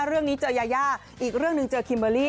เรื่องนี้เจอยายาอีกเรื่องหนึ่งเจอคิมเบอร์รี่